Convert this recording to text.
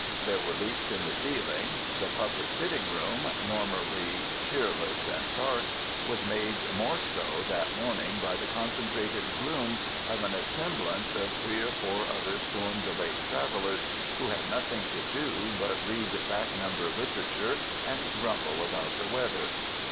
There were leaks in the ceiling. The public sitting room, normally cheerless and dark, was made more so that morning by the concentrated gloom of an assemblance of three or four other storm stayed travelers who had nothing to do but read back number literature and grumble about the weather.